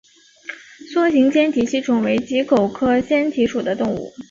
梭形坚体吸虫为棘口科坚体属的动物。